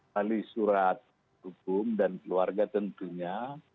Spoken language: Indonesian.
melalui surat hukum dan keluarga tentunya